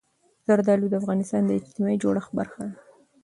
زردالو د افغانستان د اجتماعي جوړښت برخه ده.